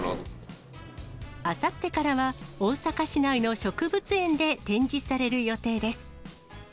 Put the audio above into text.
あさってからは、大阪市内の植物園で展示される予定です。